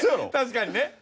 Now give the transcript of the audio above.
確かにね